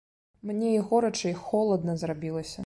Мне і горача, і холадна зрабілася.